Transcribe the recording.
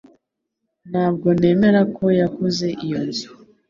Ntabwo nemera ko yaguze iyo nzu